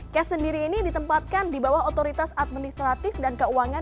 cash sendiri ini ditempatkan di bawah otoritas administratif dan keuangan